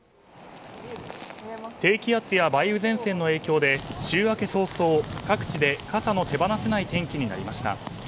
低気圧や梅雨前線の影響で週明け早々、各地で傘の手放せない天気になりました。